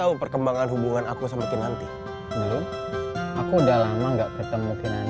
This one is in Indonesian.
udah jalan dibawa semua